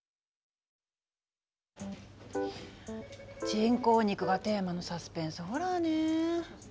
人工肉がテーマのサスペンスホラーねえ。